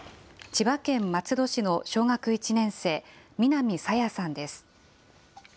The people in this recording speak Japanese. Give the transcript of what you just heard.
千葉県松戸市の小学１年生、南朝芽さんです。